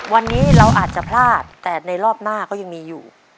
วันนี้เราอาจจะพลาดแต่ในรอบหน้าก็ยังมีอยู่